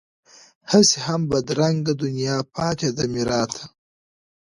هسې هم بدرنګه دنیا پاتې ده میراته